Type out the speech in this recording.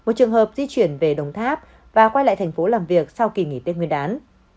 một trường hợp di chuyển về đồng tháp và quay lại thành phố làm việc sau kỳ nghỉ tết nguyên đán